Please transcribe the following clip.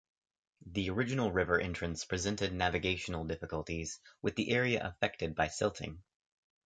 The original river entrance presented navigational difficulties, with the area affected by silting.